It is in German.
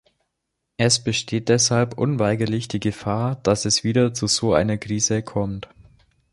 Es besteht deshalb unweigerlich die Gefahr, dass es wieder zu so einer Krise kommt.